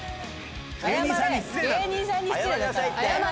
「芸人さんに失礼だって」。